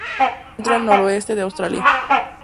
Se encuentra al noroeste de Australia.